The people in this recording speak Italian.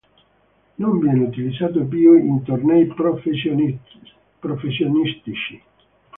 Non viene utilizzato più in tornei professionistici.